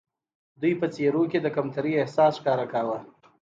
دوی په څېرو کې د کمترۍ احساس ښکاره کاوه.